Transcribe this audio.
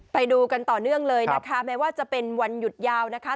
ไปดูกันต่อเนื่องเลยนะคะแม้ว่าจะเป็นวันหยุดยาวนะคะ